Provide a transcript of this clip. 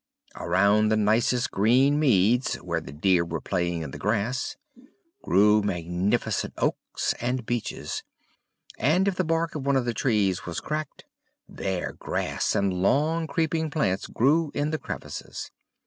Around the nicest green meads, where the deer were playing in the grass, grew magnificent oaks and beeches; and if the bark of one of the trees was cracked, there grass and long creeping plants grew in the crevices.